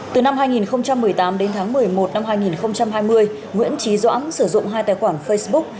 từ năm hai nghìn một mươi tám đến tháng một mươi một năm hai nghìn hai mươi nguyễn trí doãn sử dụng hai tài khoản facebook